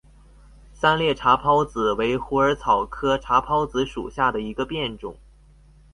三裂茶藨子为虎耳草科茶藨子属下的一个变种。